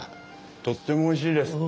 とってもおいしいです。